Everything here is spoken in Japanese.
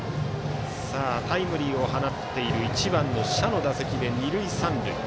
タイムリーを放っている１番の謝の打席で二塁三塁。